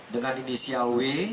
dengan inisial w